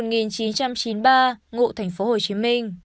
ngụ thành phố hồ chí minh